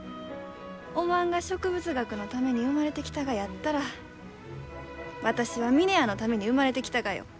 おまんが植物学のために生まれてきたがやったら私は峰屋のために生まれてきたがよ。